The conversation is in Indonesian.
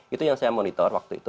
itu yang saya monitor waktu itu